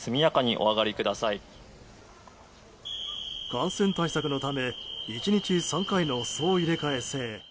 感染対策のため１日３回の総入れ替え制。